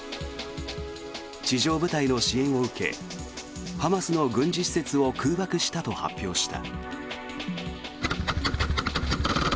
地上部隊の支援を受けハマスの軍事施設を空爆したと発表した。